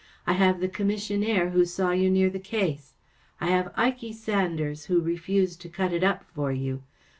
I have the Commissionaire who saw you near the case. I have Ikey Sanders, who refused to cut it up for you.